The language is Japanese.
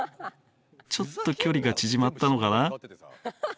ちょっと距離が縮まったのかな？